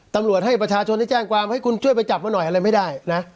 ตำรวจให้ประชาชนได้แจ้งความให้คุณช่วยไปจับมาหน่อยอะไรไม่ได้นะ